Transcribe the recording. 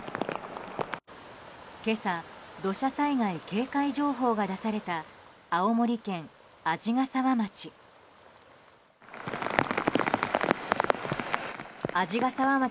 今朝土砂災害警戒情報が出された青森県鰺ヶ沢町。